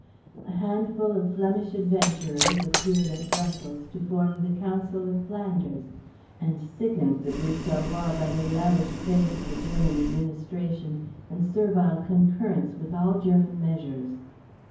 A handful of Flemish adventurers appeared at Brussels to form the Council of Flanders, and sickened the Bruxellois by their lavish praise of the German administration and servile concurrence with all German measures.